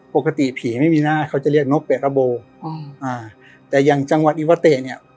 ปกติผีไม่มีหน้าเขาจะเรียกนกแปะระโบอ๋ออ่าแต่อย่างจังหวัดอิวาเตะเนี่ย